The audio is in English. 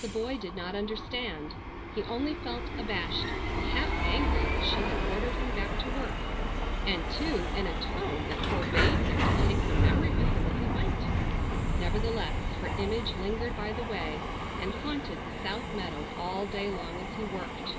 The boy did not understand. He only felt abashed, and half angry that she had ordered him back to work; and, too, in a tone that forbade him to take her memory with him as he went. Nevertheless her image lingered by the way, and haunted the South meadow all day long as he worked.